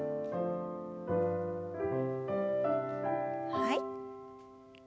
はい。